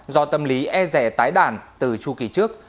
do tâm lý e rẻ tái đàn từ chu kỳ trước